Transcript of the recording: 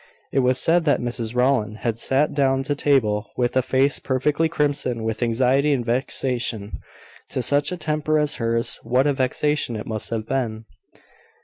It was said that Mrs Rowland had sat down to table with a face perfectly crimson with anxiety and vexation. To such a temper as hers, what a vexation it must have been!